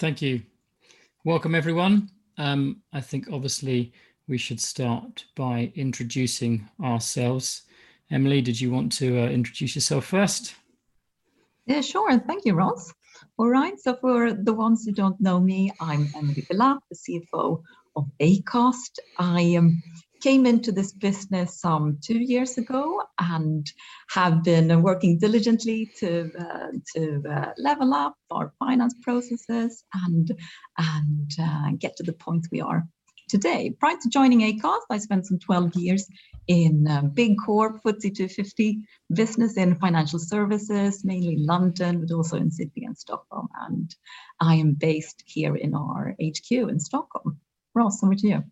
Thank you. Welcome, everyone. I think obviously we should start by introducing ourselves. Emily, did you want to introduce yourself first? Yeah, sure. Thank you, Ross. All right, for the ones who don't know me, I'm Emily Villatte, the CFO of Acast. I came into this business two years ago and have been working diligently to level up our finance processes and get to the point we are today. Prior to joining Acast, I spent some 12 years in big corporate FTSE 250 business in financial services, mainly in London, but also in Sydney and Stockholm, and I am based here in our HQ in Stockholm. Ross, over to you.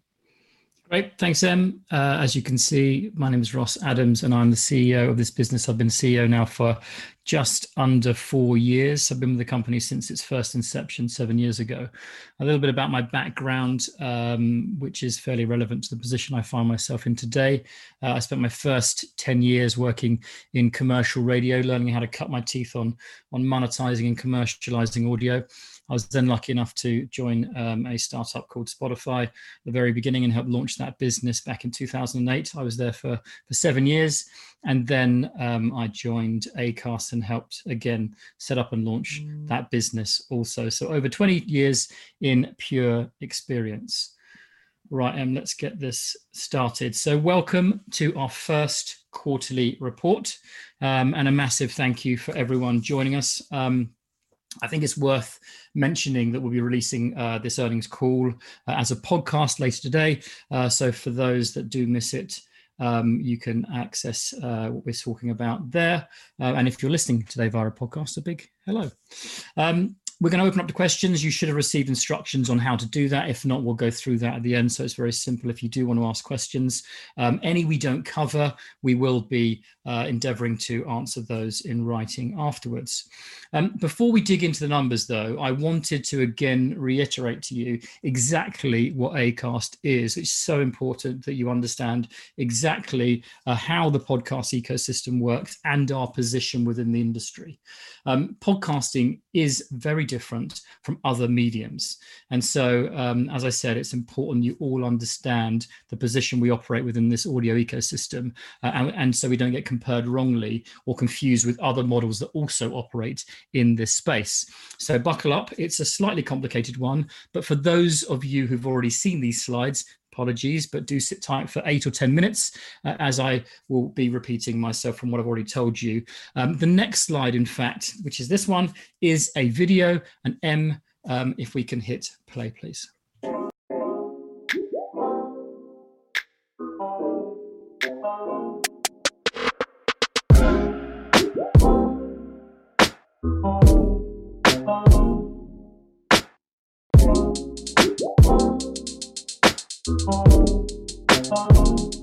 Great. Thanks, Emily. As you can see, my name is Ross Adams, and I'm the CEO of this business. I've been CEO now for just under four years. I've been with the company since its first inception seven years ago. A little bit about my background, which is fairly relevant to the position I find myself in today. I spent my first 10 years working in commercial radio, learning how to cut my teeth on monetizing and commercializing audio. I was then lucky enough to join a startup called Spotify at the very beginning and helped launch that business back in 2008. I was there for seven years, and then I joined Acast and helped again set up and launch that business also. Over 20 years in pure experience. Right, Emily, let's get this started. Welcome to our first quarterly report, and a massive thank you for everyone joining us. I think it's worth mentioning that we'll be releasing this earnings call as a podcast later today. For those that do miss it, you can access what we're talking about there. If you're listening today via a podcast, a big hello. We're going to open up to questions. You should have received instructions on how to do that. If not, we'll go through that at the end. It's very simple if you do want to ask questions. Any we don't cover, we will be endeavoring to answer those in writing afterwards. Before we dig into the numbers, though, I wanted to again reiterate to you exactly what Acast is. It's so important that you understand exactly how the podcast ecosystem works and our position within the industry. Podcasting is very different from other mediums. As I said, it's important you all understand the position we operate within this audio ecosystem, and so we don't get compared wrongly or confused with other models that also operate in this space. Buckle up, it's a slightly complicated one, but for those of you who've already seen these slides, apologies, but do sit tight for eight or 10 minutes, as I will be repeating myself from what I've already told you. The next slide, in fact, which is this one, is a video, and Em, if we can hit play, please. What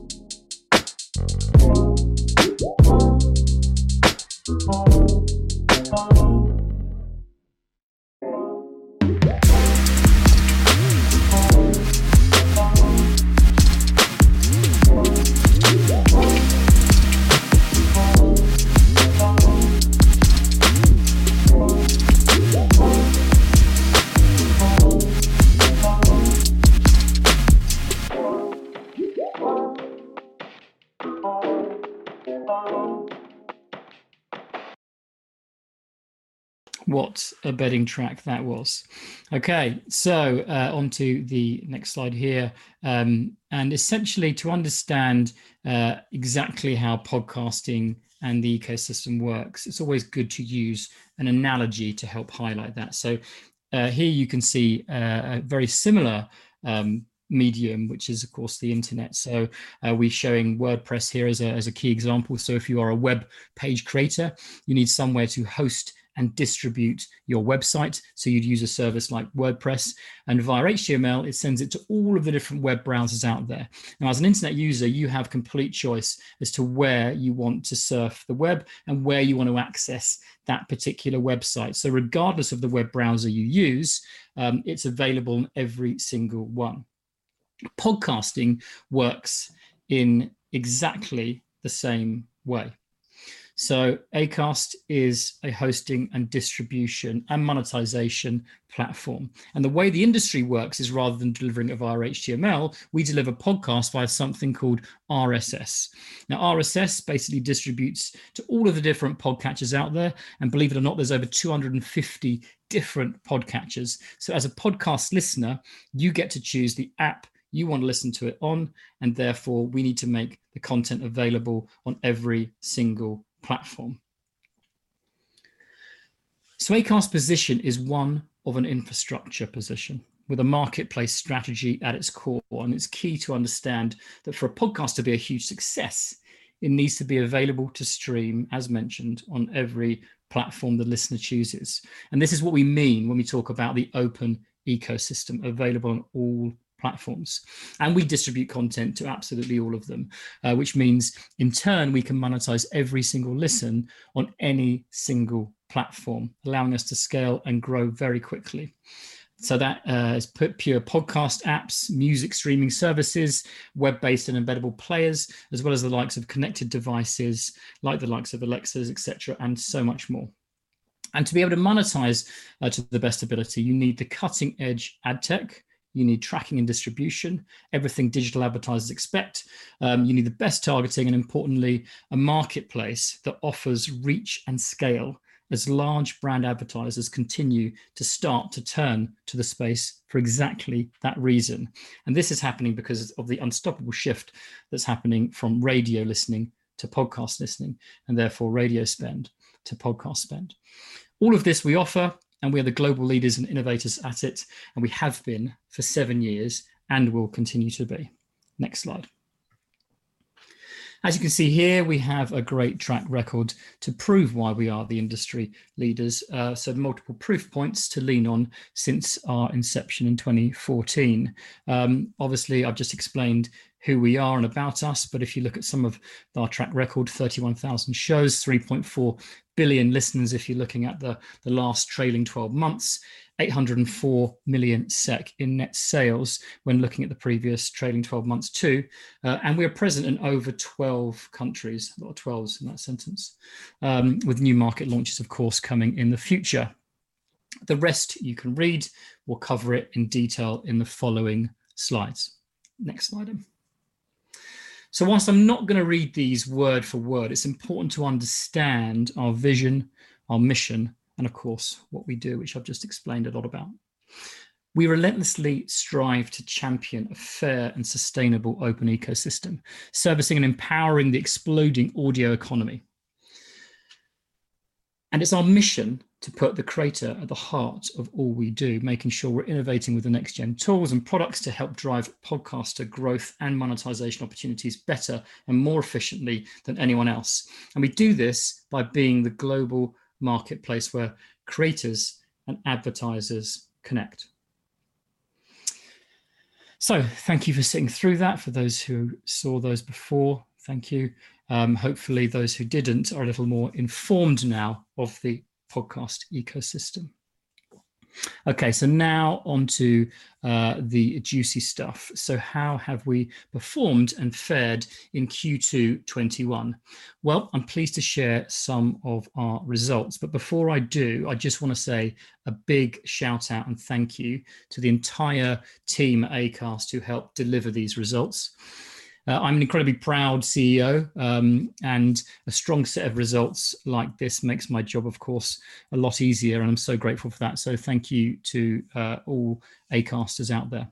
a bedding track that was. Okay. On to the next slide here. Essentially to understand exactly how podcasting and the ecosystem works, it's always good to use an analogy to help highlight that. Here you can see a very similar medium, which is, of course, the internet. We're showing WordPress here as a key example. If you are a web page creator, you need somewhere to host and distribute your website. You'd use a service like WordPress, and via HTML, it sends it to all of the different web browsers out there. Now, as an internet user, you have complete choice as to where you want to surf the web and where you want to access that particular website. Regardless of the web browser you use, it's available on every single one. Podcasting works in exactly the same way. Acast is a hosting and distribution and monetization platform. The way the industry works is rather than delivering via HTML, we deliver podcasts via something called RSS. Now, RSS basically distributes to all of the different podcatchers out there, and believe it or not, there's over 250 different podcatchers. As a podcast listener, you get to choose the app you want to listen to it on, and therefore, we need to make the content available on every single platform. Acast's position is one of an infrastructure position with a marketplace strategy at its core. It's key to understand that for a podcast to be a huge success, it needs to be available to stream, as mentioned, on every platform the listener chooses. This is what we mean when we talk about the open ecosystem available on all platforms. We distribute content to absolutely all of them, which means in turn, we can monetize every single listen on any single platform, allowing us to scale and grow very quickly. That is pure podcast apps, music streaming services, web-based and embeddable players, as well as the likes of connected devices, like the likes of Alexas, et cetera, and so much more. To be able to monetize to the best ability, you need the cutting-edge ad tech, you need tracking and distribution, everything digital advertisers expect. You need the best targeting, and importantly, a marketplace that offers reach and scale as large brand advertisers continue to start to turn to the space for exactly that reason. This is happening because of the unstoppable shift that's happening from radio listening to podcast listening, and therefore radio spend to podcast spend. All of this we offer, we are the global leaders and innovators at it, we have been for seven years and will continue to be. Next slide. As you can see here, we have a great track record to prove why we are the industry leaders. Multiple proof points to lean on since our inception in 2014. Obviously, I've just explained who we are and about us, if you look at some of our track record, 31,000 shows, 3.4 billion listeners, if you're looking at the last trailing 12 months, 804 million SEK in net sales when looking at the previous trailing 12 months too. We are present in over 12 countries. A lot of 12s in that sentence. With new market launches, of course, coming in the future. The rest you can read. We'll cover it in detail in the following slides. Next slide. While I'm not going to read these word for word, it's important to understand our vision, our mission, and of course, what we do, which I've just explained a lot about. We relentlessly strive to champion a fair and sustainable open ecosystem, servicing and empowering the exploding audio economy. It's our mission to put the creator at the heart of all we do, making sure we're innovating with the next-gen tools and products to help drive podcaster growth and monetization opportunities better and more efficiently than anyone else. We do this by being the global marketplace where creators and advertisers connect. Thank you for sitting through that. For those who saw those before, thank you. Hopefully, those who didn't are a little more informed now of the podcast ecosystem. Now on to the juicy stuff. How have we performed and fared in Q2 2021? I'm pleased to share some of our results. Before I do, I just want to say a big shout-out and thank you to the entire team at Acast who helped deliver these results. I'm an incredibly proud CEO, and a strong set of results like this makes my job, of course, a lot easier, and I'm so grateful for that. Thank you to all Acasters out there.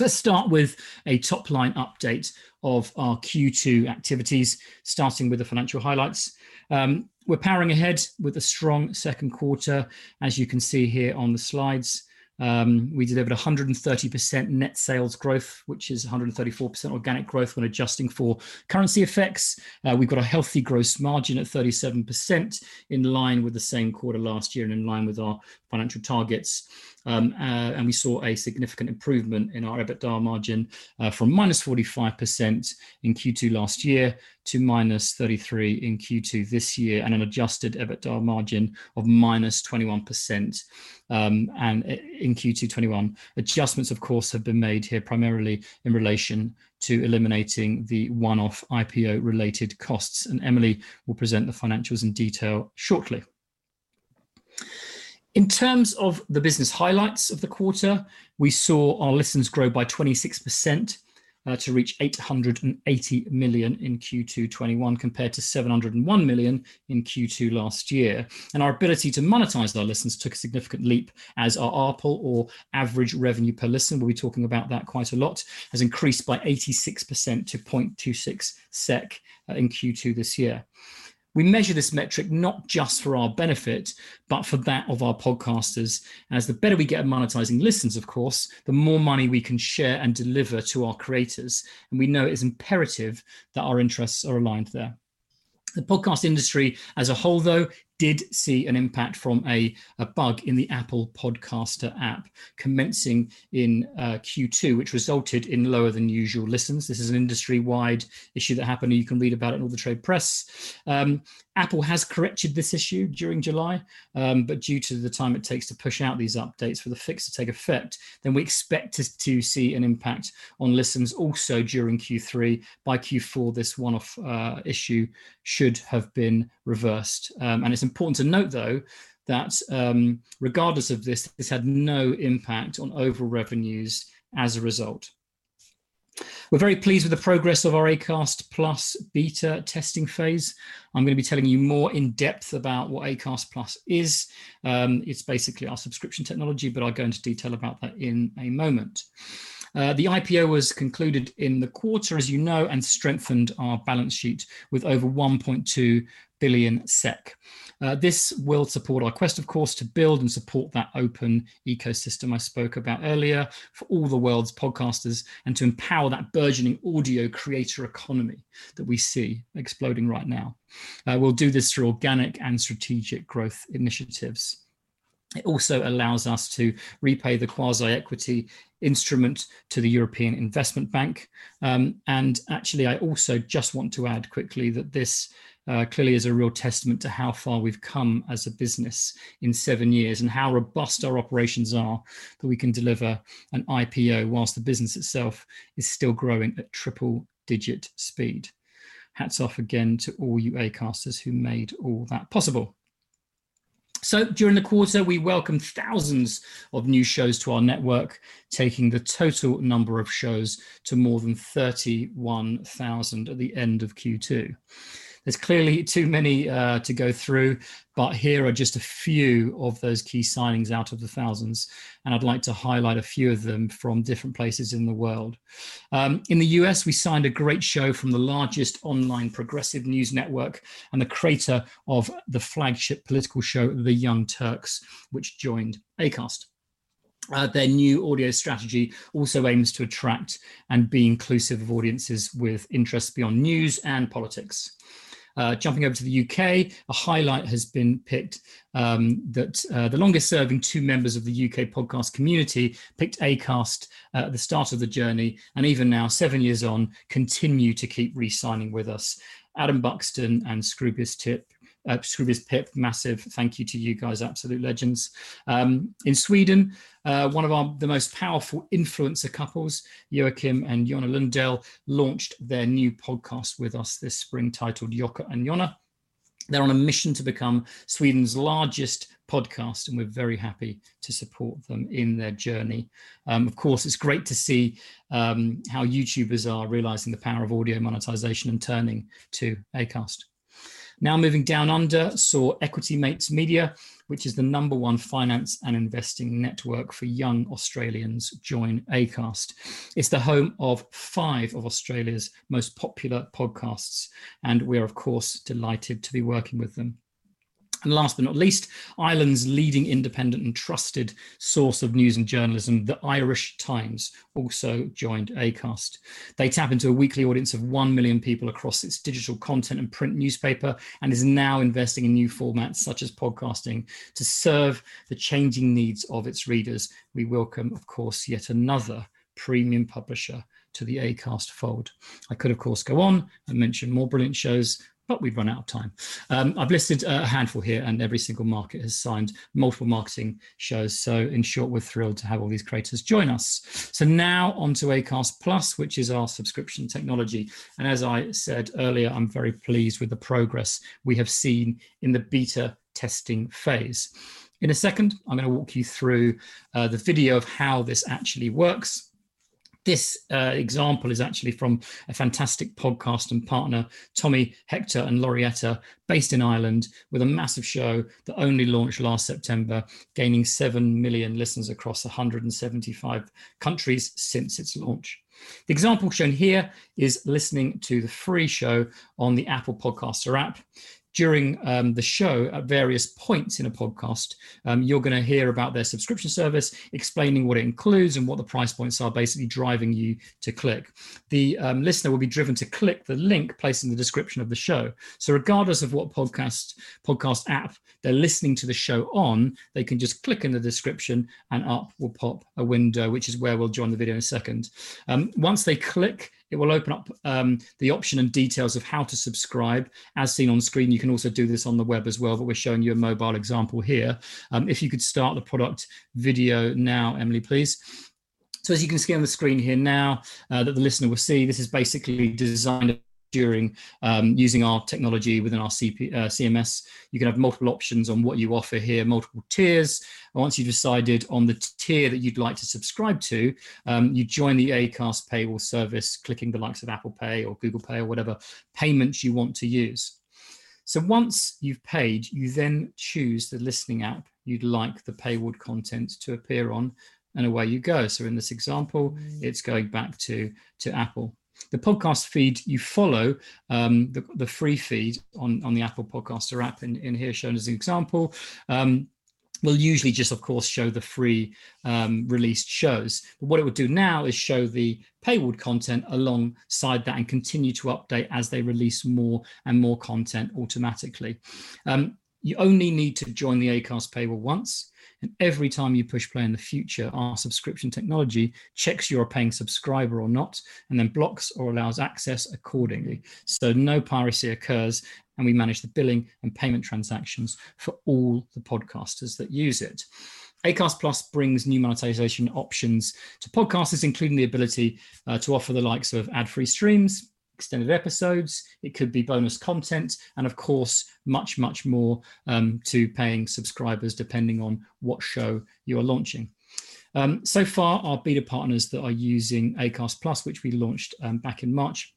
Let's start with a top-line update of our Q2 activities, starting with the financial highlights. We're powering ahead with a strong second quarter. As you can see here on the slides, we delivered 130% net sales growth, which is 134% organic growth when adjusting for currency effects. We've got a healthy gross margin of 37%, in line with the same quarter last year and in line with our financial targets. We saw a significant improvement in our EBITDA margin from -45% in Q2 last year to -33% in Q2 this year, an adjusted EBITDA margin of -21% in Q2 2021. Adjustments, of course, have been made here primarily in relation to eliminating the one-off IPO-related costs. Emily will present the financials in detail shortly. In terms of the business highlights of the quarter, we saw our listens grow by 26% to reach 880 million in Q2 2021, compared to 701 million in Q2 last year. Our ability to monetize those listens took a significant leap as our ARPL, or Average Revenue Per Listen, we'll be talking about that quite a lot, has increased by 86% to 0.26 SEK in Q2 this year. We measure this metric not just for our benefit, but for that of our podcasters, as the better we get at monetizing listens, of course, the more money we can share and deliver to our creators. We know it is imperative that our interests are aligned there. The podcast industry as a whole, though, did see an impact from a bug in the Apple Podcasts app commencing in Q2, which resulted in lower-than-usual listens. This is an industry-wide issue that happened, and you can read about it in all the trade press. Apple has corrected this issue during July, but due to the time it takes to push out these updates for the fix to take effect, then we expect to see an impact on listens also during Q3. By Q4, this one-off issue should have been reversed. It's important to note, though, that regardless of this had no impact on overall revenues as a result. We're very pleased with the progress of our Acast+ beta testing phase. I'm going to be telling you more in depth about what Acast+ is. It's basically our subscription technology. I'll go into detail about that in a moment. The IPO was concluded in the quarter, as you know, strengthened our balance sheet with over 1.2 billion SEK. This will support our quest, of course, to build and support that open ecosystem I spoke about earlier for all the world's podcasters and to empower that burgeoning audio creator economy that we see exploding right now. We'll do this through organic and strategic growth initiatives. It also allows us to repay the quasi-equity instrument to the European Investment Bank. Actually, I also just want to add quickly that this clearly is a real testament to how far we've come as a business in seven years, and how robust our operations are that we can deliver an IPO whilst the business itself is still growing at triple-digit speed. Hats off again to all you Acasters who made all that possible. During the quarter, we welcomed thousands of new shows to our network, taking the total number of shows to more than 31,000 at the end of Q2. There's clearly too many to go through, but here are just a few of those key signings out of the thousands, and I'd like to highlight a few of them from different places in the world. In the U.S., we signed a great show from the largest online progressive news network and the creator of the flagship political show, "The Young Turks," which joined Acast. Their new audio strategy also aims to attract and be inclusive of audiences with interests beyond news and politics. Jumping over to the U.K., a highlight has been picked that the longest-serving two members of the UK podcast community picked Acast at the start of the journey, and even now, seven years on, continue to keep re-signing with us. Adam Buxton and Scroobius Pip, massive thank you to you guys. Absolute legends. In Sweden, one of the most powerful influencer couples, Joakim and Jonna Lundell, launched their new podcast with us this spring titled, "Jocke & Jonna." They're on a mission to become Sweden's largest podcast, and we're very happy to support them in their journey. Of course, it's great to see how YouTubers are realizing the power of audio monetization and turning to Acast. Now, moving down under, saw Equity Mates Media, which is the number one finance and investing network for young Australians, join Acast. It's the home of five of Australia's most popular podcasts. We're of course delighted to be working with them. Last but not least, Ireland's leading independent and trusted source of news and journalism, The Irish Times also joined Acast. They tap into a weekly audience of 1 million people across its digital content and print newspaper and is now investing in new formats, such as podcasting, to serve the changing needs of its readers. We welcome, of course, yet another premium publisher to the Acast fold. I could, of course, go on and mention more brilliant shows, but we've run out of time. I've listed a handful here. Every single market has signed multiple marketing shows. In short, we're thrilled to have all these creators join us. Now onto Acast+, which is our subscription technology. As I said earlier, I'm very pleased with the progress we have seen in the beta testing phase. In a second, I'm going to walk you through the video of how this actually works. This example is actually from a fantastic podcast and partner, Tommy, Hector & Laurita, based in Ireland, with a massive show that only launched last September, gaining 7 million listens across 175 countries since its launch. The example shown here is listening to the free show on the Apple Podcasts app. During the show, at various points in a podcast, you're going to hear about their subscription service, explaining what it includes and what the price points are, basically driving you to click. The listener will be driven to click the link placed in the description of the show. Regardless of what podcast app they're listening to the show on, they can just click in the description and up will pop a window, which is where we'll join the video in one second. Once they click, it will open up the option and details of how to subscribe, as seen on screen. You can also do this on the web as well, but we're showing you a mobile example here. If you could start the product video now, Emily, please. As you can see on the screen here now, that the listener will see this is basically designed during using our technology within our CMS. You can have multiple options on what you offer here, multiple tiers. Once you've decided on the tier that you'd like to subscribe to, you join the Acast paywall service, clicking the likes of Apple Pay or Google Pay or whatever payments you want to use. Once you've paid, you then choose the listening app you'd like the paywalled content to appear on, and away you go. In this example, it's going back to Apple. The podcast feed you follow, the free feed on the Apple Podcasts app in here shown as an example, will usually just, of course, show the free released shows. What it would do now is show the paywalled content alongside that and continue to update as they release more and more content automatically. You only need to join the Acast paywall once, and every time you push play in the future, our subscription technology checks you're a paying subscriber or not, and then blocks or allows access accordingly. No piracy occurs, and we manage the billing and payment transactions for all the podcasters that use it. Acast+ brings new monetization options to podcasters, including the ability to offer the likes of ad-free streams, extended episodes. It could be bonus content, and of course, much, much more to paying subscribers, depending on what show you're launching. So far, our beta partners that are using Acast+, which we launched back in March,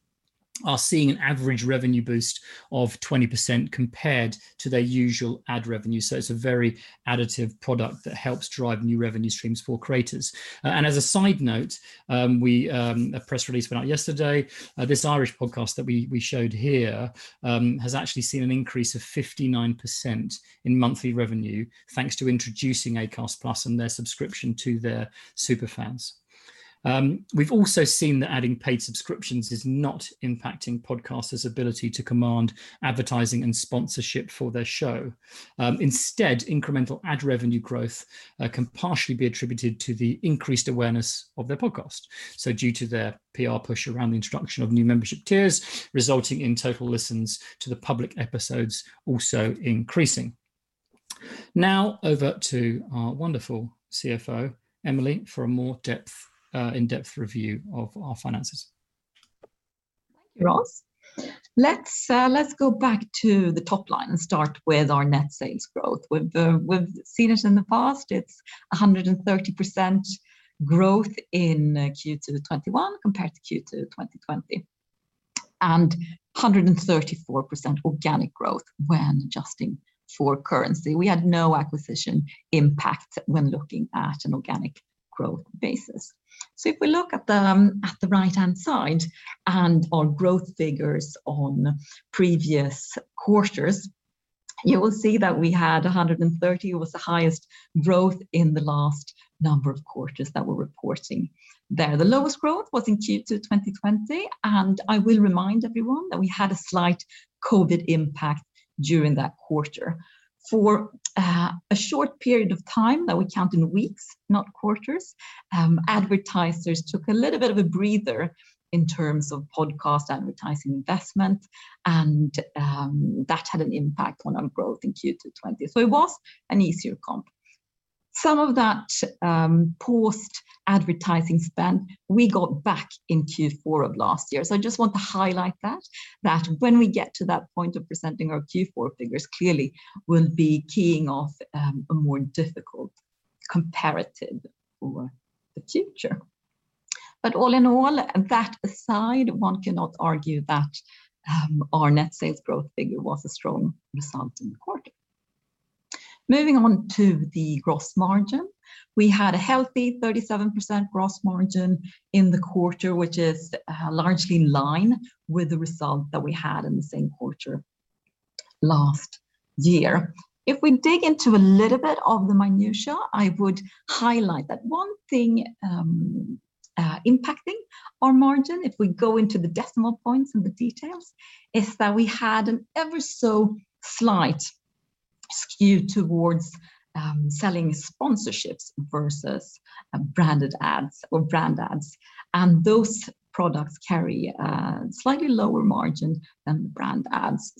are seeing an average revenue boost of 20% compared to their usual ad revenue. It's a very additive product that helps drive new revenue streams for creators. As a side note, a press release went out yesterday. This Irish podcast that we showed here has actually seen an increase of 59% in monthly revenue, thanks to introducing Acast+ and their subscription to their super fans. We've also seen that adding paid subscriptions is not impacting podcasters' ability to command advertising and sponsorship for their show. Instead, incremental ad revenue growth can partially be attributed to the increased awareness of their podcast. Due to their PR push around the introduction of new membership tiers, resulting in total listens to the public episodes also increasing. Now over to our wonderful CFO, Emily, for a more in-depth review of our finances. Thank you, Ross. Let's go back to the top line and start with our net sales growth. We've seen it in the past. It's 130% growth in Q2 2021 compared to Q2 2020, and 134% organic growth when adjusting for currency. We had no acquisition impact when looking at an organic growth basis. If we look at the right-hand side and our growth figures on previous quarters, you will see that we had 130% was the highest growth in the last number of quarters that we're reporting there. The lowest growth was in Q2 2020, and I will remind everyone that we had a slight COVID impact during that quarter. For a short period of time that we count in weeks, not quarters, advertisers took a little bit of a breather in terms of podcast advertising investment, and that had an impact on our growth in Q2 2020. It was an easier comp. Some of that post-advertising spend, we got back in Q4 of last year. I just want to highlight that when we get to that point of presenting our Q4 figures, clearly we'll be keying off a more difficult comparative for the future. All in all, that aside, one cannot argue that our net sales growth figure was a strong result in the quarter. Moving on to the gross margin. We had a healthy 37% gross margin in the quarter, which is largely in line with the result that we had in the same quarter last year. If we dig into a little bit of the minutiae, I would highlight that one thing impacting our margin, if we go into the decimal points and the details, is that we had an ever so slight skew towards selling sponsorships versus branded ads or brand ads, and those products carry a slightly lower margin than the brand ads.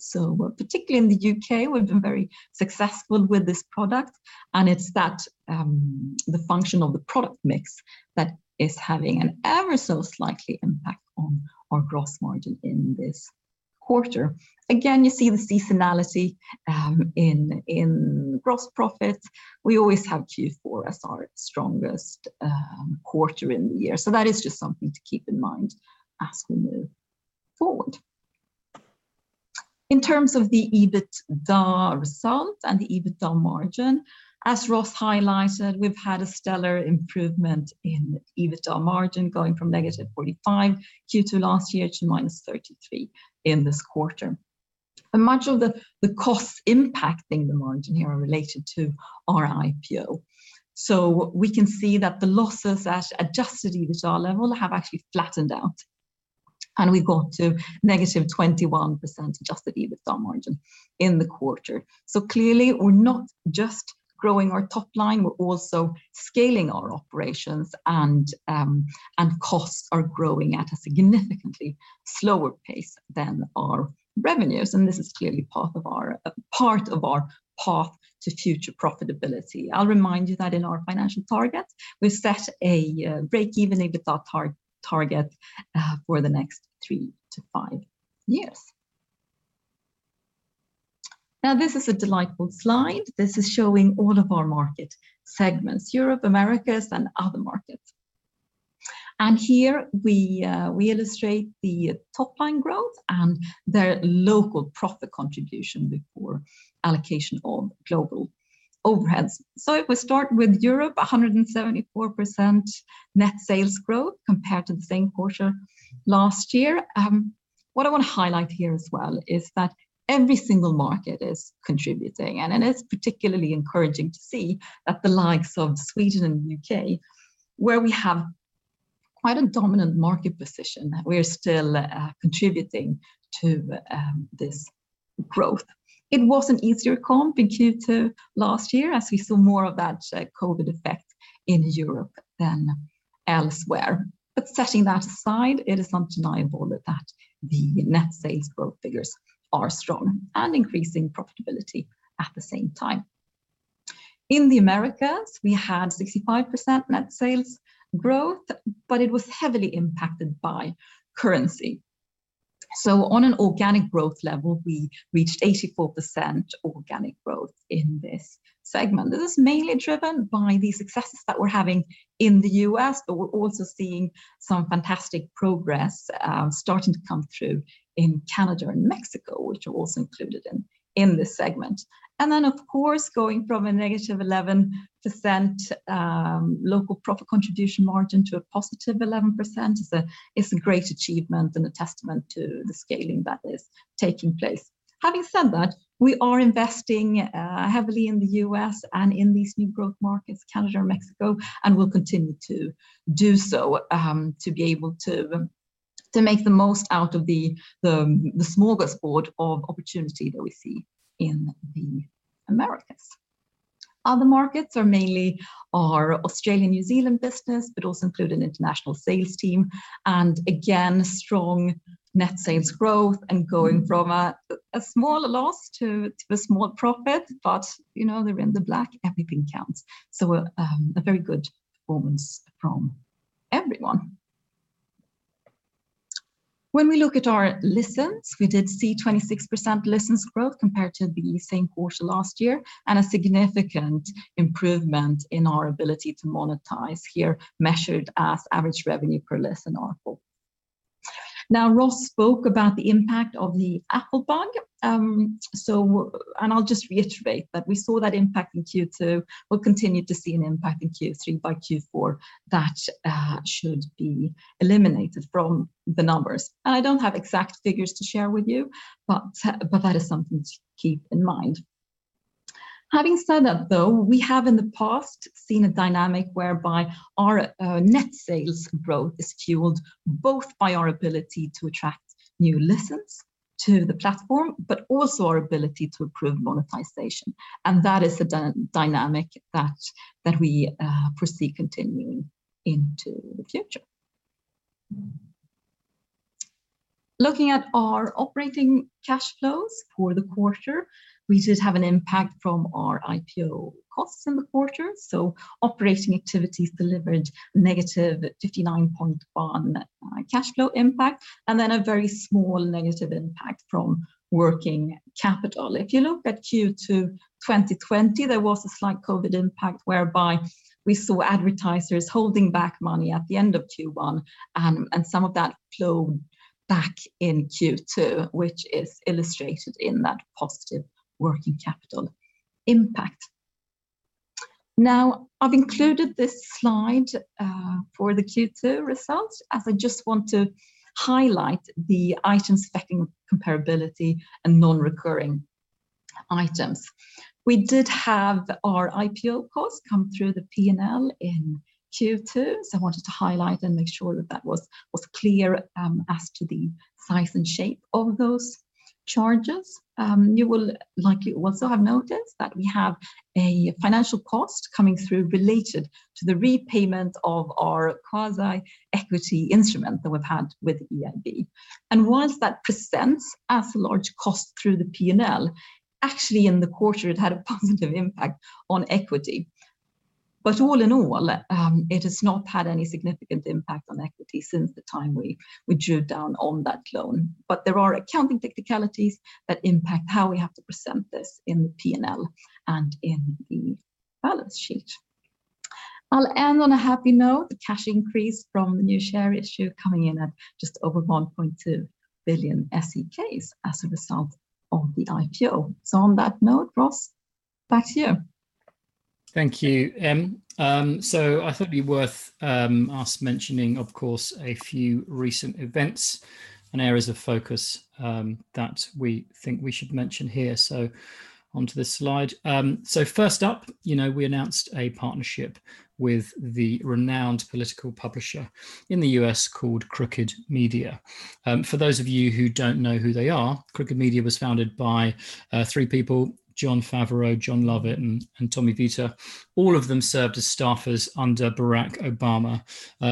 Particularly in the U.K., we've been very successful with this product, and it's the function of the product mix that is having an ever so slightly impact on our gross margin in this quarter. Again, you see the seasonality in gross profit. We always have Q4 as our strongest quarter in the year. That is just something to keep in mind as we move forward. In terms of the EBITDA result and the EBITDA margin, as Ross highlighted, we've had a stellar improvement in EBITDA margin, going from -45% Q2 last year to -33% in this quarter. Much of the costs impacting the margin here are related to our IPO. We can see that the losses at adjusted EBITDA level have actually flattened out, and we've got to -21% adjusted EBITDA margin in the quarter. Clearly, we're not just growing our top line, we're also scaling our operations, and costs are growing at a significantly slower pace than our revenues, and this is clearly part of our path to future profitability. I'll remind you that in our financial targets, we've set a break-even EBITDA target for the next three to five years. This is a delightful slide. This is showing all of our market segments, Europe, Americas, and other markets. Here we illustrate the top-line growth and their local profit contribution before allocation of global overheads. If we start with Europe, 174% net sales growth compared to the same quarter last year. What I want to highlight here as well is that every single market is contributing, and it is particularly encouraging to see that the likes of Sweden and U.K., where we have quite a dominant market position, we're still contributing to this growth. It was an easier comp in Q2 last year, as we saw more of that COVID effect in Europe than elsewhere. Setting that aside, it is undeniable that the net sales growth figures are strong and increasing profitability at the same time. In the Americas, we had 65% net sales growth, but it was heavily impacted by currency. On an organic growth level, we reached 84% organic growth in this segment. This is mainly driven by the successes that we're having in the U.S., but we're also seeing some fantastic progress starting to come through in Canada and Mexico, which are also included in this segment. Of course, going from a negative 11% local profit contribution margin to a positive 11% is a great achievement and a testament to the scaling that is taking place. Having said that, we are investing heavily in the U.S. and in these new growth markets, Canada and Mexico, and will continue to do so, to be able to make the most out of the smorgasbord of opportunity that we see in the Americas. Other markets are mainly our Australian, New Zealand business, but also include an international sales team. Strong net sales growth and going from a small loss to a small profit. They're in the black, everything counts. A very good performance from everyone. When we look at our listens, we did see 26% listens growth compared to the same quarter last year, and a significant improvement in our ability to monetize here, measured as average revenue per listen ARPL. Ross spoke about the impact of the Apple bug. I'll just reiterate that we saw that impact in Q2. We'll continue to see an impact in Q3. By Q4, that should be eliminated from the numbers. I don't have exact figures to share with you, but that is something to keep in mind. Having said that, though, we have in the past seen a dynamic whereby our net sales growth is fueled both by our ability to attract new listens to the platform, but also our ability to improve monetization. That is the dynamic that we foresee continuing into the future. Looking at our operating cash flows for the quarter, we did have an impact from our IPO costs in the quarter. Operating activities delivered negative 59.1 cash flow impact, and then a very small negative impact from working capital. If you look at Q2 2020, there was a slight COVID impact whereby we saw advertisers holding back money at the end of Q1, and some of that flowed back in Q2, which is illustrated in that positive working capital impact. I've included this slide for the Q2 results, as I just want to highlight the item affecting comparability and non-recurring items. We did have our IPO cost come through the P&L in Q2, so I wanted to highlight and make sure that that was clear as to the size and shape of those charges. You will likely also have noticed that we have a financial cost coming through related to the repayment of our quasi-equity instrument that we've had with EIB. Whilst that presents as a large cost through the P&L, actually in the quarter, it had a positive impact on equity. All in all, it has not had any significant impact on equity since the time we drew down on that loan. There are accounting technicalities that impact how we have to present this in the P&L and in the balance sheet. I'll end on a happy note. The cash increase from the new share issue coming in at just over 1.2 billion SEK as a result of the IPO. On that note, Ross, back to you. Thank you, Em. I thought it'd be worth us mentioning, of course, a few recent events and areas of focus that we think we should mention here. Onto the slide. First up, we announced a partnership with the renowned political publisher in the U.S. called Crooked Media. For those of you who don't know who they are, Crooked Media was founded by three people, Jon Favreau, Jon Lovett, and Tommy Vietor. All of them served as staffers under Barack Obama,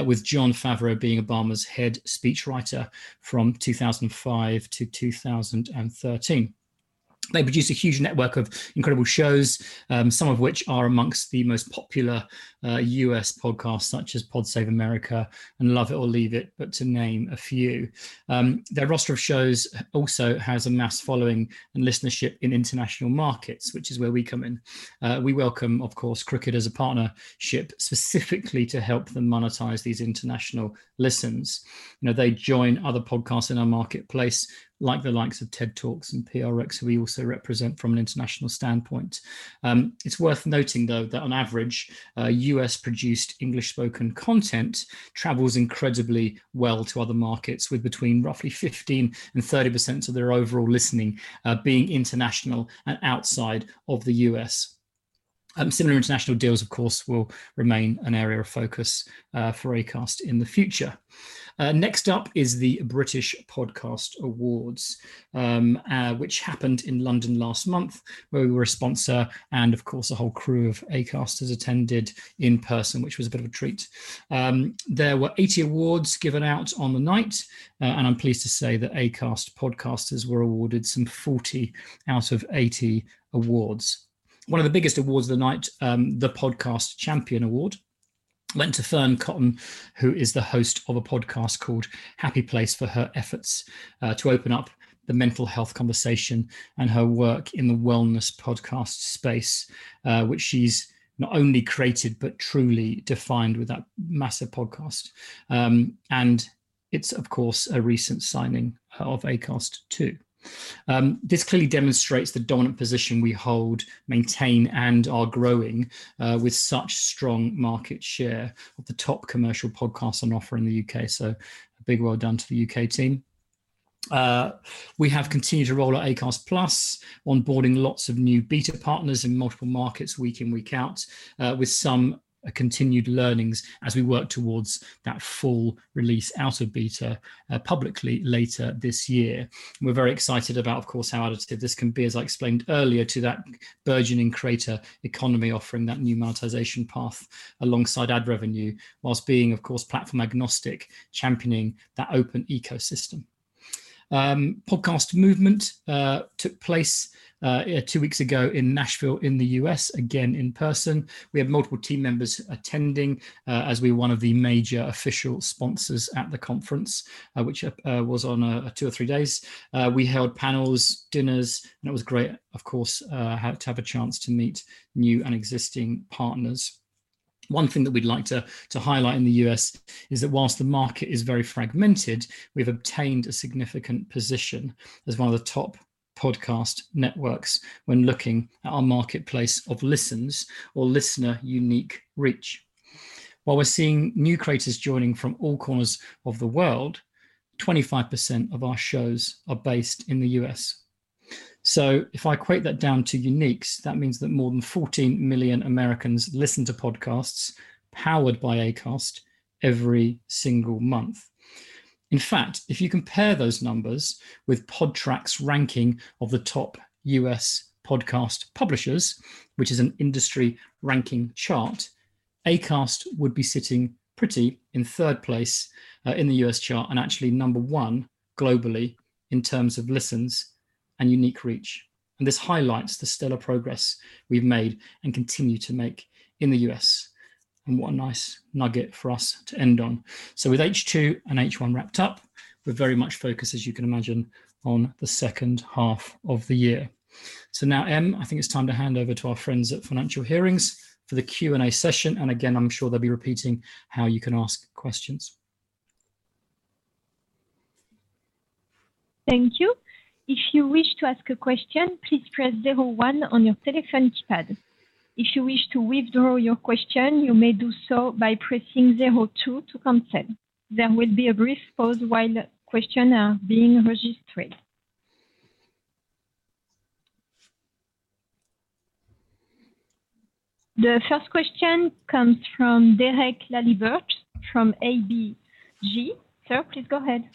with Jon Favreau being Obama's head speechwriter from 2005 to 2013. They produce a huge network of incredible shows, some of which are amongst the most popular US podcasts, such as "Pod Save America" and "Lovett or Leave It," but to name a few. Their roster of shows also has a mass following and listenership in international markets, which is where we come in. We welcome, of course, Crooked as a partnership specifically to help them monetize these international listens. They join other podcasts in our marketplace, like the likes of TED Talks and PRX, who we also represent from an international standpoint. It's worth noting, though, that on average, U.S.-produced English-spoken content travels incredibly well to other markets, with between roughly 15%-30% of their overall listening being international and outside of the U.S. Similar international deals, of course, will remain an area of focus for Acast in the future. Next up is the British Podcast Awards, which happened in London last month, where we were a sponsor, and of course, a whole crew of Acast has attended in person, which was a bit of a treat. There were 80 awards given out on the night, and I'm pleased to say that Acast podcasters were awarded some 40 out of 80 awards. One of the biggest awards of the night, the Podcast Champion Award, went to Fearne Cotton, who is the host of a podcast called "Happy Place," for her efforts to open up the mental health conversation and her work in the wellness podcast space, which she's not only created but truly defined with that massive podcast. It's, of course, a recent signing of Acast, too. This clearly demonstrates the dominant position we hold, maintain, and are growing, with such strong market share of the top commercial podcasts on offer in the U.K. A big well done to the UK team. We have continued to roll out Acast+ onboarding lots of new beta partners in multiple markets week in, week out, with some continued learnings as we work towards that full release out of beta publicly later this year. We're very excited about, of course, how additive this can be, as I explained earlier, to that burgeoning creator economy offering that new monetization path alongside ad revenue while being, of course, platform agnostic, championing that open ecosystem. Podcast Movement took place two weeks ago in Nashville in the U.S., again in person. We had multiple team members attending as we were one of the major official sponsors at the conference, which was on two or three days. We held panels, dinners, and it was great, of course, to have a chance to meet new and existing partners. One thing that we'd like to highlight in the U.S. is that while the market is very fragmented, we've obtained a significant position as one of the top podcast networks when looking at our marketplace of listens or listener unique reach. While we're seeing new creators joining from all corners of the world, 25% of our shows are based in the U.S. If I equate that down to uniques, that means that more than 14 million Americans listen to podcasts powered by Acast every single month. In fact, if you compare those numbers with Podtrac's ranking of the top US podcast publishers, which is an industry ranking chart, Acast would be sitting pretty in third place in the US chart, and actually number one globally in terms of listens and unique reach. This highlights the stellar progress we've made and continue to make in the U.S. What a nice nugget for us to end on. With H2 and H1 wrapped up, we're very much focused, as you can imagine, on the second half of the year. Now, Em, I think it's time to hand over to our friends at Financial Hearings for the Q&A session. Again, I'm sure they'll be repeating how you can ask questions. Thank you. If you wish to ask a question, please press zero one on your telephone keypad. If you wish to withdraw your question, you may do so by pressing zero two to confirm. There will be a brief pause while questions are being registered. The first question comes from Derek Laliberté from ABG. Sir, please go ahead.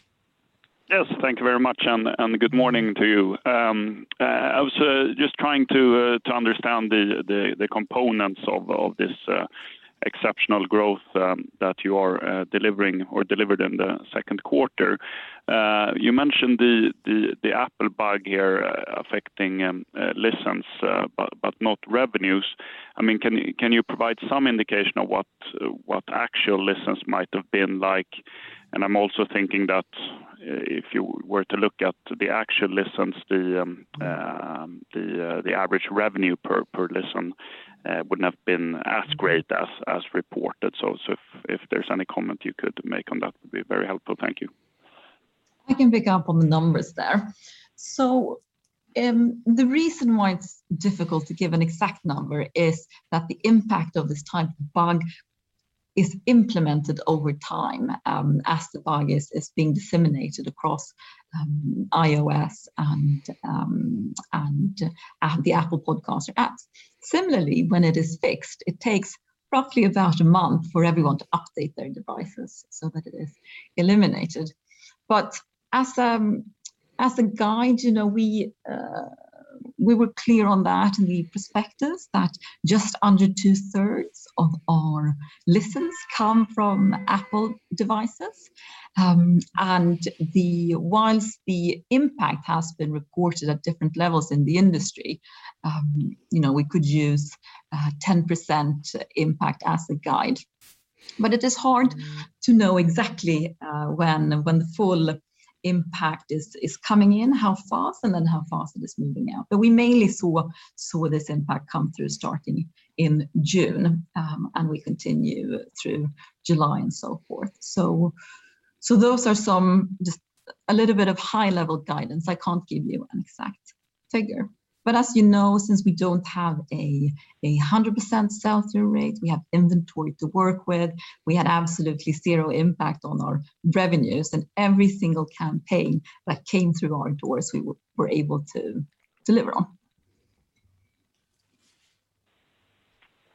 Yes, thank you very much. Good morning to you. I was just trying to understand the components of this exceptional growth that you are delivering or delivered in the second quarter. You mentioned the Apple bug here affecting listens but not revenues. Can you provide some indication of what actual listens might have been like? I'm also thinking that if you were to look at the actual listens, the Average Revenue Per Listen wouldn't have been as great as reported. If there's any comment you could make on that, would be very helpful. Thank you. I can pick up on the numbers there. The reason why it's difficult to give an exact number is that the impact of this type of bug is implemented over time as the bug is being disseminated across iOS and the Apple Podcasts apps. Similarly, when it is fixed, it takes roughly about a month for everyone to update their devices so that it is eliminated. As a guide, we were clear on that in the prospectus that just under two-thirds of our listens come from Apple devices. Whilst the impact has been reported at different levels in the industry, we could use 10% impact as a guide, but it is hard to know exactly when the full impact is coming in, how fast, and then how fast it is moving out. We mainly saw this impact come through starting in June, and will continue through July and so forth. Those are just a little bit of high-level guidance. I can't give you an exact figure. As you know, since we don't have a 100% sell-through rate, we have inventory to work with, we had absolutely zero impact on our revenues, and every single campaign that came through our doors, we were able to deliver on.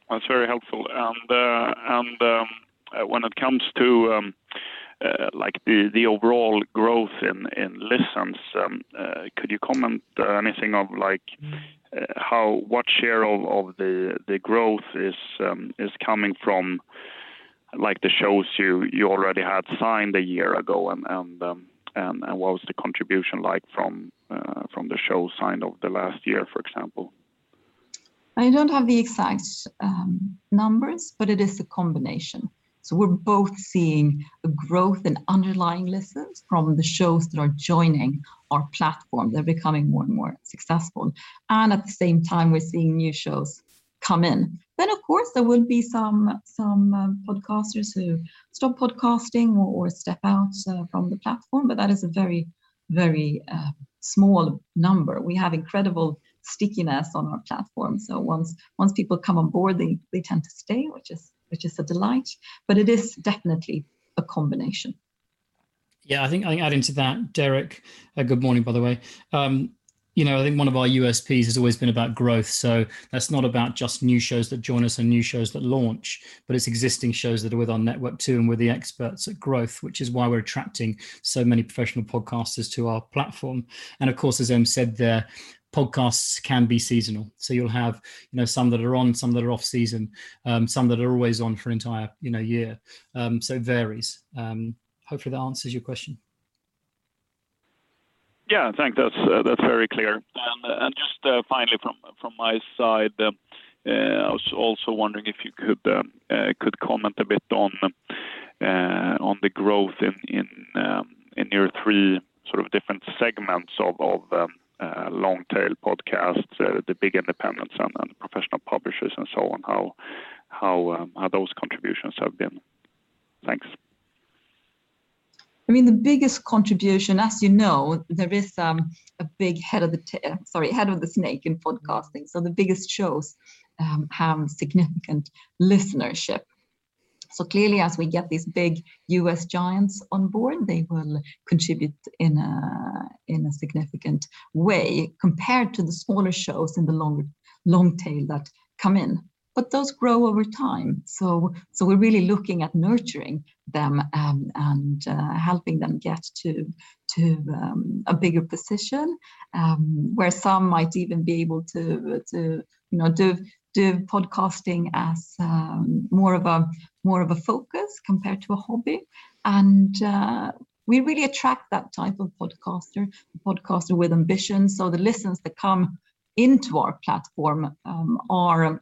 That's very helpful. When it comes to the overall growth in listens, could you comment anything of what share of the growth is coming from the shows you already had signed a year ago, and what was the contribution like from the shows signed over the last year, for example? I don't have the exact numbers, but it is a combination. We're both seeing a growth in underlying listens from the shows that are joining our platform. They're becoming more and more successful. At the same time, we're seeing new shows come in. Of course, there will be some podcasters who stop podcasting or step out from the platform, but that is a very small number. We have incredible stickiness on our platform. Once people come on board, they tend to stay, which is a delight. It is definitely a combination. I think adding to that, Derek. Good morning, by the way. I think one of our USPs has always been about growth. That's not about just new shows that join us and new shows that launch, but it's existing shows that are with our network too, and we're the experts at growth, which is why we're attracting so many professional podcasters to our platform. Of course, as Emily said there, podcasts can be seasonal. You'll have some that are on, some that are off season, some that are always on for entire year. It varies. Hopefully that answers your question. Yeah, I think that's very clear. Just finally from my side, I was also wondering if you could comment a bit on the growth in your three sort of different segments of long tail podcasts, the big independents and the professional publishers and so on, how those contributions have been. Thanks. The biggest contribution, as you know, there is a big head of the snake in podcasting. The biggest shows have significant listenership. Clearly, as we get these big US giants on board, they will contribute in a significant way compared to the smaller shows in the long tail that come in. Those grow over time. We're really looking at nurturing them and helping them get to a bigger position, where some might even be able to do podcasting as more of a focus compared to a hobby. We really attract that type of podcaster with ambition. The listens that come into our platform are,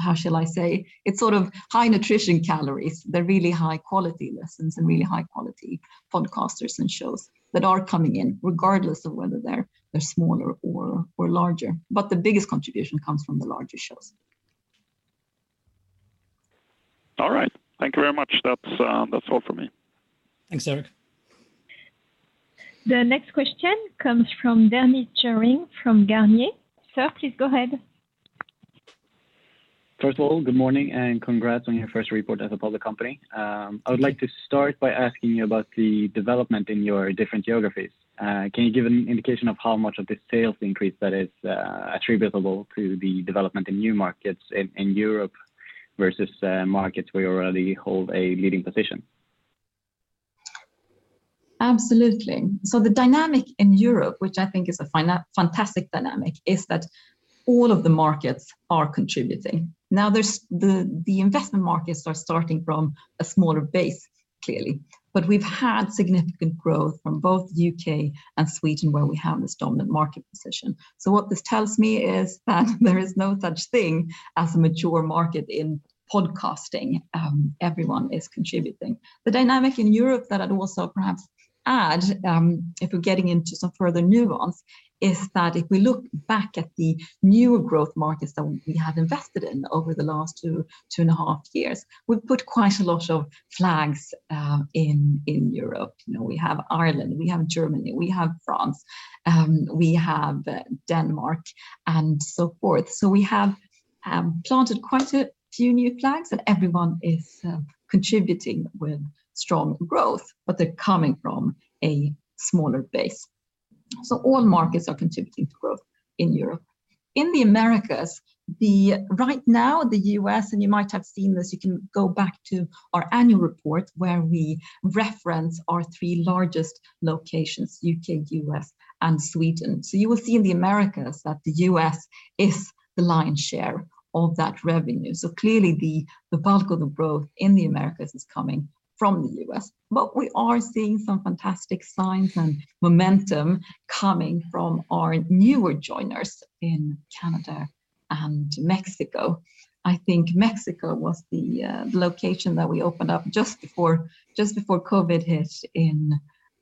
how shall I say? It's sort of high-nutrition calories. They're really high-quality listens and really high-quality podcasters and shows that are coming in regardless of whether they're smaller or larger. The biggest contribution comes from the larger shows. All right. Thank you very much. That's all from me. Thanks, Derek. The next question comes from Danny Rimer from Carnegie. Sir, please go ahead. First of all, good morning and congrats on your first report as a public company. I would like to start by asking you about the development in your different geographies. Can you give an indication of how much of this sales increase that is attributable to the development in new markets in Europe versus markets where you already hold a leading position? Absolutely. The dynamic in Europe, which I think is a fantastic dynamic, is that all of the markets are contributing. The investment markets are starting from a smaller base, clearly. We've had significant growth from both the U.K. and Sweden, where we have this dominant market position. What this tells me is that there is no such thing as a mature market in podcasting. Everyone is contributing. The dynamic in Europe that I'd also perhaps add, if we're getting into some further nuance, is that if we look back at the newer growth markets that we have invested in over the last two and a half years, we've put quite a lot of flags in Europe. We have Ireland, we have Germany, we have France, we have Denmark, and so forth. We have planted quite a few new flags, and everyone is contributing with strong growth, but they're coming from a smaller base. All markets are contributing to growth in Europe. In the Americas, right now, the U.S., and you might have seen this, you can go back to our annual report where we reference our three largest locations, U.K., U.S., and Sweden. You will see in the Americas that the U.S. is the lion's share of that revenue. Clearly the bulk of the growth in the Americas is coming from the U.S. We are seeing some fantastic signs and momentum coming from our newer joiners in Canada and Mexico. I think Mexico was the location that we opened up just before COVID hit in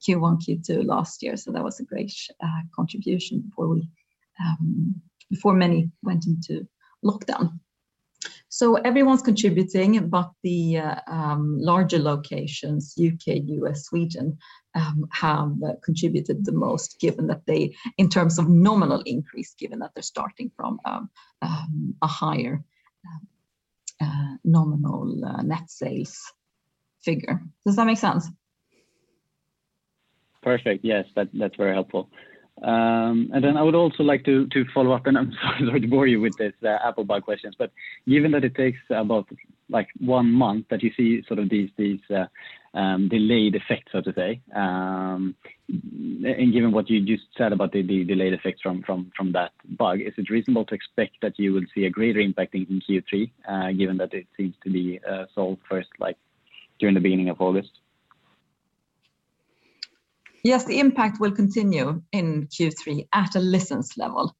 Q1, Q2 last year. That was a great contribution before many went into lockdown. Everyone's contributing, but the larger locations, U.K., U.S., Sweden, have contributed the most, in terms of nominal increase, given that they're starting from a higher nominal net sales figure. Does that make sense? Perfect. Yes. That's very helpful. I would also like to follow up, and I'm sorry to bore you with this Apple bug questions, but given that it takes about one month that you see these delayed effects, so to say, and given what you just said about the delayed effects from that bug, is it reasonable to expect that you will see a greater impact in Q3, given that it seems to be solved first, during the beginning of August? The impact will continue in Q3 at a listens level.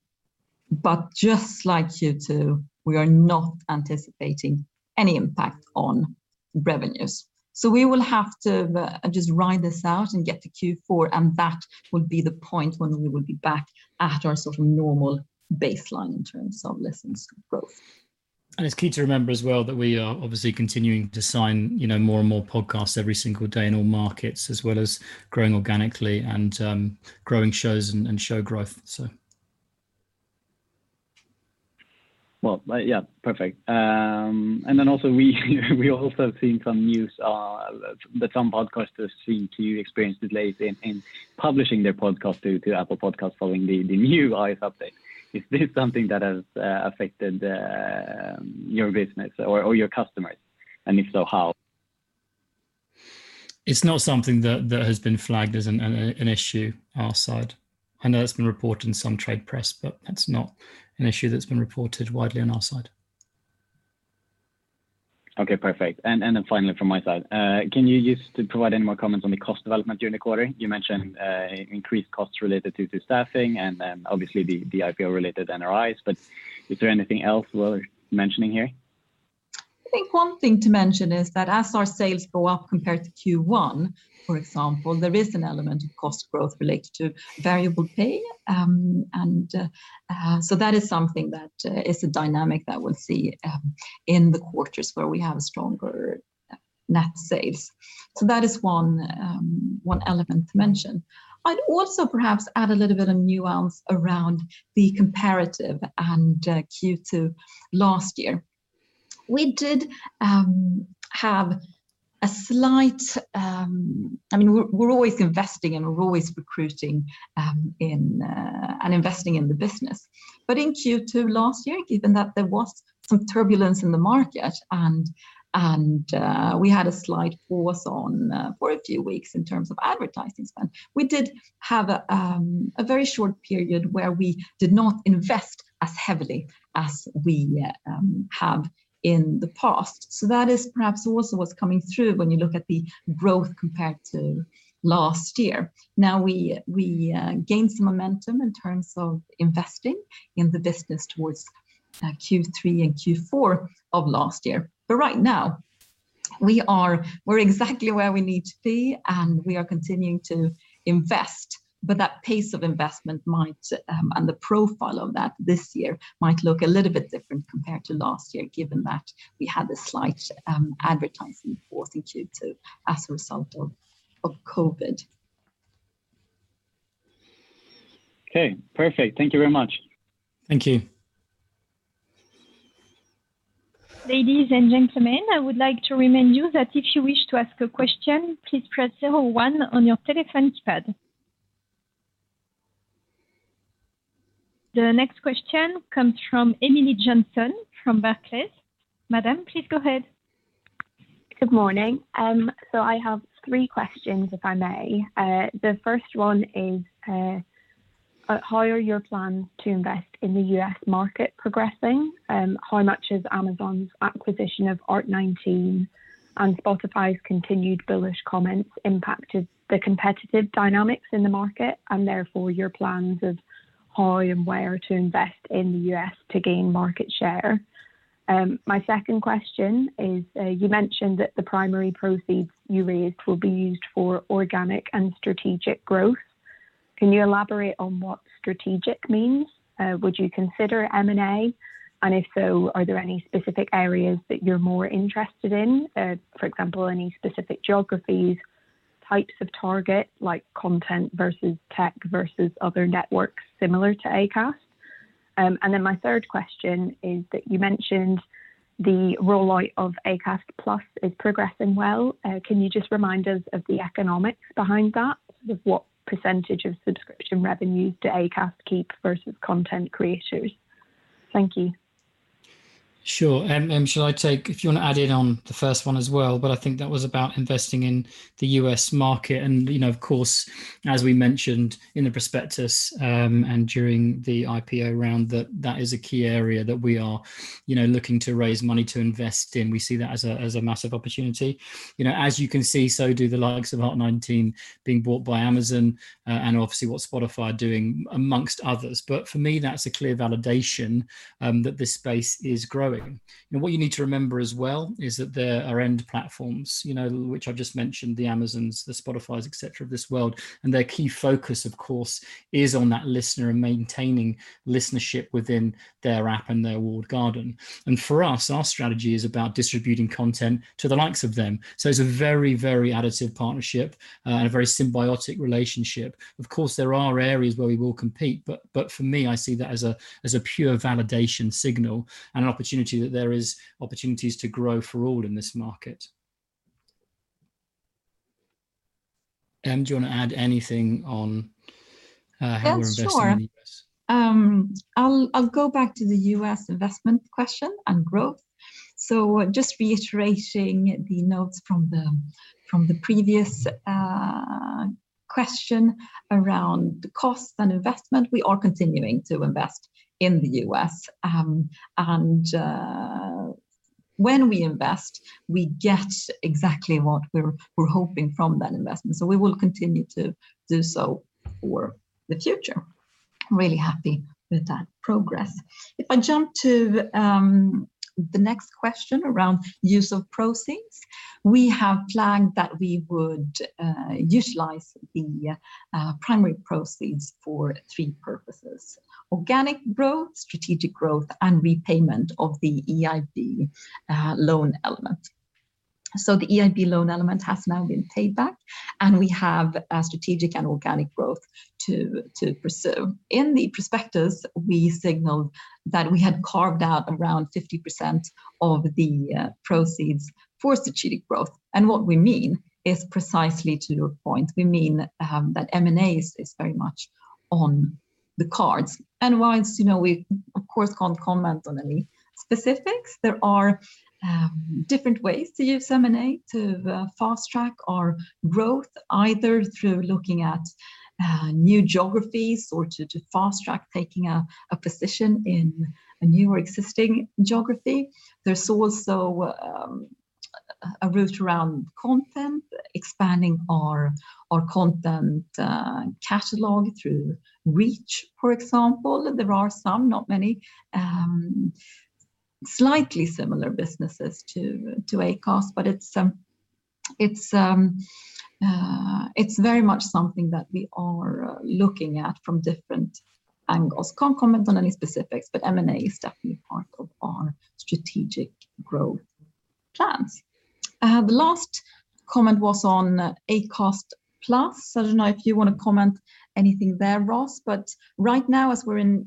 Just like Q2, we are not anticipating any impact on revenues. We will have to just ride this out and get to Q4, and that will be the point when we will be back at our sort of normal baseline in terms of listens growth. It's key to remember as well that we are obviously continuing to sign more and more podcasts every single day in all markets, as well as growing organically and growing shows and show growth. Well, yeah. Perfect. Also we also have seen some news that some podcasters seem to experience delays in publishing their podcast due to Apple Podcasts following the new iOS update. Is this something that has affected your business or your customers, and if so, how? It's not something that has been flagged as an issue our side. I know that's been reported in some trade press, but that's not an issue that's been reported widely on our side. Okay, perfect. Then finally from my side, can you just provide any more comments on the cost development during the quarter? You mentioned increased costs related to staffing and then obviously the IPO-related NRIs. Is there anything else worth mentioning here? I think one thing to mention is that as our sales go up compared to Q1, for example, there is an element of cost growth related to variable pay. That is something that is a dynamic that we’ll see in the quarters where we have stronger net sales. That is one element to mention. I’d also perhaps add a little bit of nuance around the comparative and Q2 last year. We’re always investing, and we’re always recruiting and investing in the business. In Q2 last year, given that there was some turbulence in the market and we had a slight pause on for a few weeks in terms of advertising spend, we did have a very short period where we did not invest as heavily as we have in the past. That is perhaps also what's coming through when you look at the growth compared to last year. We gained some momentum in terms of investing in the business towards Q3 and Q4 of last year. Right now we're exactly where we need to be, and we are continuing to invest. That pace of investment might, and the profile of that this year might look a little bit different compared to last year, given that we had a slight advertising pause in Q2 as a result of COVID. Okay, perfect. Thank you very much. Thank you. Ladies and gentlemen, I would like to remind you that if you wish to ask a question, please press zero one on your telephone keypad. The next question comes from Emily Johnson from Barclays. Madam, please go ahead. I have three questions, if I may. The first one is, how are your plans to invest in the US market progressing? How much has Amazon's acquisition of Art19 and Spotify's continued bullish comments impacted the competitive dynamics in the market, and therefore your plans of how and where to invest in the U.S. to gain market share? My second question is, you mentioned that the primary proceeds you raised will be used for organic and strategic growth. Can you elaborate on what strategic means? Would you consider M&A, and if so, are there any specific areas that you're more interested in? For example, any specific geographies, types of target, like content versus tech versus other networks similar to Acast? My third question is that you mentioned the rollout of Acast+ is progressing well. Can you just remind us of the economics behind that, of what % of subscription revenue do Acast keep versus content creators? Thank you. Sure. If you want to add in on the first one as well, but I think that was about investing in the US market and of course, as we mentioned in the prospectus, and during the IPO round, that is a key area that we are looking to raise money to invest in. We see that as a massive opportunity. As you can see, so do the likes of Art19 being bought by Amazon, and obviously what Spotify are doing amongst others. For me, that's a clear validation that this space is growing. What you need to remember as well is that there are end platforms, which I've just mentioned, the Amazons, the Spotifys, et cetera of this world, and their key focus, of course, is on that listener and maintaining listenership within their app and their walled garden. For us, our strategy is about distributing content to the likes of them. It's a very additive partnership, and a very symbiotic relationship. Of course, there are areas where we will compete, but for me, I see that as a pure validation signal and an opportunity that there is opportunities to grow for all in this market. Em, do you want to add anything on how we're investing in the U.S.? Yeah, sure. I'll go back to the US investment question and growth. Just reiterating the notes from the previous question around the cost and investment, we are continuing to invest in the U.S. When we invest, we get exactly what we're hoping from that investment. We will continue to do so for the future. Really happy with that progress. If I jump to the next question around use of proceeds, we have planned that we would utilize the primary proceeds for three purposes: organic growth, strategic growth, and repayment of the EIB loan element. The EIB loan element has now been paid back, and we have strategic and organic growth to pursue. In the prospectus, we signaled that we had carved out around 50% of the proceeds for strategic growth, and what we mean is precisely to your point. We mean that M&A is very much on the cards. Whilst we, of course, can't comment on any specifics, there are different ways to use M&A to fast-track our growth, either through looking at new geographies or to fast-track taking a position in a new or existing geography. There's also a route around content, expanding our content catalog through reach, for example. There are some, not many, slightly similar businesses to Acast, but it's very much something that we are looking at from different angles. Can't comment on any specifics, but M&A is definitely part of our strategic growth plans. The last comment was on Acast+. I don't know if you want to comment anything there, Ross, but right now as we're in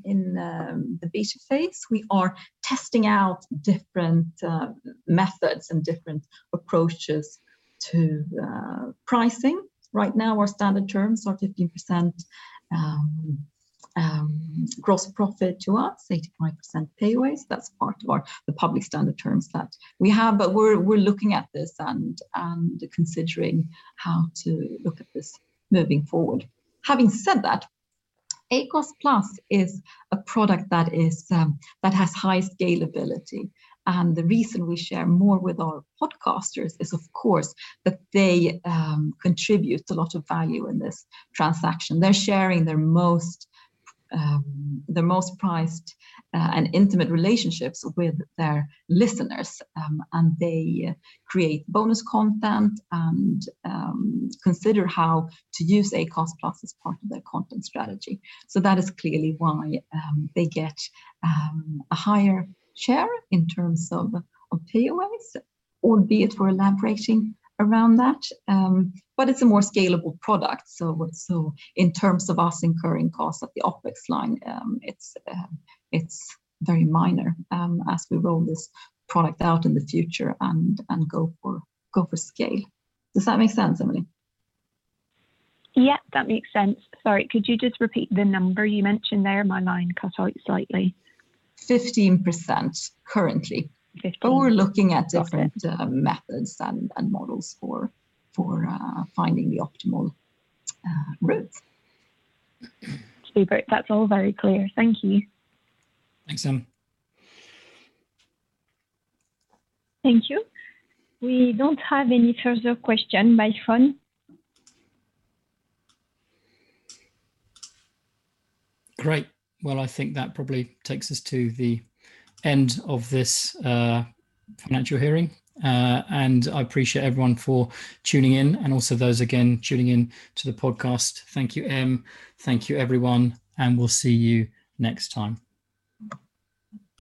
the beta phase, we are testing out different methods and different approaches to pricing. Right now, our standard terms are 15% gross profit to us, 85% payaways. That's part of the public standard terms that we have. We're looking at this and considering how to look at this moving forward. Having said that, Acast+ is a product that has high scalability, and the reason we share more with our podcasters is, of course, that they contribute a lot of value in this transaction. They're sharing their most prized and intimate relationships with their listeners, and they create bonus content and consider how to use Acast+ as part of their content strategy. That is clearly why they get a higher share in terms of payaways, albeit we're elaborating around that. It's a more scalable product, so in terms of us incurring costs at the OpEx line, it's very minor as we roll this product out in the future and go for scale. Does that make sense, Emily? Yeah, that makes sense. Sorry, could you just repeat the number you mentioned there? My line cut out slightly. 15% currently. 15. We're looking at different methods and models for finding the optimal route. Super. That's all very clear. Thank you. Thanks, Em. Thank you. We don't have any further question by phone. Great. Well, I think that probably takes us to the end of this financial hearing. I appreciate everyone for tuning in and also those, again, tuning in to the podcast. Thank you, Em. Thank you, everyone, and we'll see you next time.